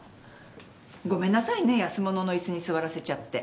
ごめんなさいね安物の椅子に座らせちゃって。